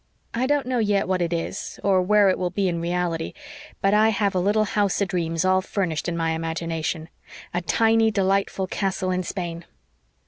I don't know yet what it is, or where it will be in reality, but I have a little house o'dreams all furnished in my imagination a tiny, delightful castle in Spain."